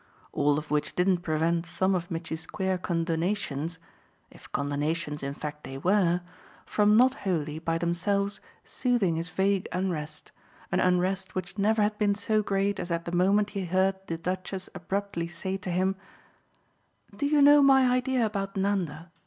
All of which didn't prevent some of Mitchy's queer condonations if condonations in fact they were from not wholly, by themselves, soothing his vague unrest, an unrest which never had been so great as at the moment he heard the Duchess abruptly say to him: "Do you know my idea about Nanda?